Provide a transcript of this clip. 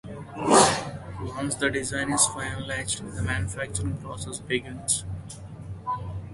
Once the design is finalized, the manufacturing process begins.